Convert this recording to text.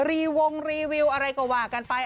วงรีวิวอะไรก็ว่ากันไป